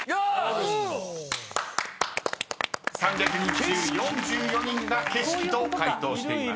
［３００人中４４人が景色と回答しています］